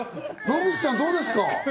野口さん、どうですか？